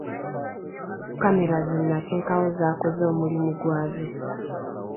Kkamera ze nateekawo zaakoze omulimu gwazo.